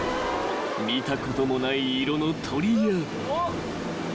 ［見たこともない色の鳥や］